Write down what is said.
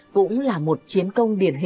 cũng là một chiến công điện thoại